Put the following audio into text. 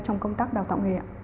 trong công tác đào tạo nghề